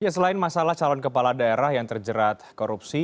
selain masalah calon kepala daerah yang terjerat korupsi